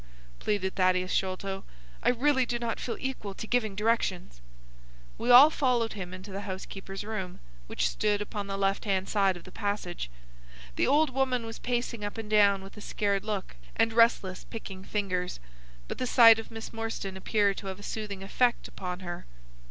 pleaded Thaddeus Sholto. "I really do not feel equal to giving directions." We all followed him into the housekeeper's room, which stood upon the left hand side of the passage. The old woman was pacing up and down with a scared look and restless picking fingers, but the sight of Miss Morstan appeared to have a soothing effect upon her.